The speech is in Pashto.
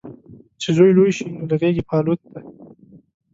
چې زوی لوی شي، نو له غیږې په الوت دی